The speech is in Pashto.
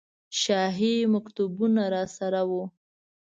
شاهي مکتوبونه راسره وو.